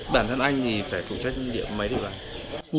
bản thân anh thì phải phụ trách địa mấy địa bàn